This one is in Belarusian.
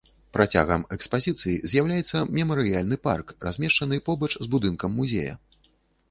Працягам экспазіцыі з'яўляецца мемарыяльны парк, размешчаны побач з будынкам музея.